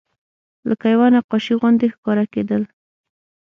لکه یوه نقاشي غوندې ښکاره کېدل.